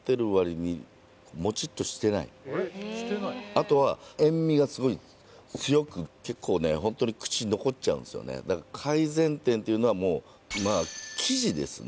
あとは塩味がすごい強く結構ねホントに口に残っちゃうんすよねだから改善点っていうのはもうまあ生地ですね